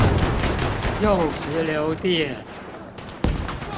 用直流電